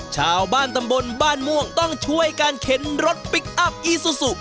ชาวบ้านตำบลบ้านม่วงต้องช่วยการเข็นรถพลิกอัพอีซูซู